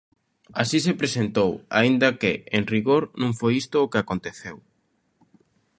Así se presentou, aínda que, en rigor, non foi isto o que aconteceu.